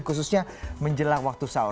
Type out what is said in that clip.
khususnya menjelang waktu sahur